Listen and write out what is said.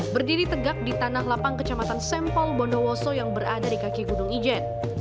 berdiri tegak di tanah lapang kecamatan sempol bondowoso yang berada di kaki gunung ijen